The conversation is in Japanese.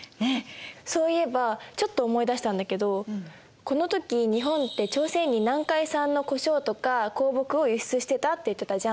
そういえばちょっと思い出したんだけどこの時日本って朝鮮に南海産の胡椒とか香木を輸出してたって言ってたじゃん。